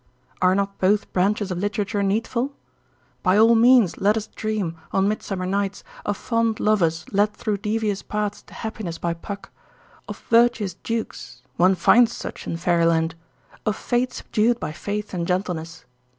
Are not both branches of literature needful? By all means let us dream, on midsummer nights, of fond lovers led through devious paths to happiness by Puck; of virtuous dukes—one finds such in fairyland; of fate subdued by faith and gentleness.